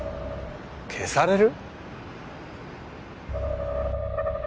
消される！？